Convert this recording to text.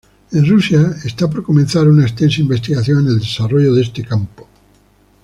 En Rusia, está por comenzar una extensa investigación en el desarrollo de este campo.